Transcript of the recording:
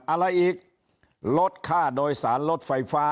อะไรอีกลดค่าโดยสารลดไฟฟ้า